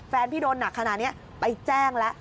แฟนพี่โดนหนักขนาดนี้ไปแจ้งแล้ว